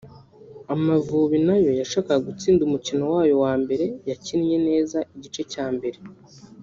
Amavubi nayo yashakaga gutsinda umukino wayo wa mbere yakinnye neza igice cya mbere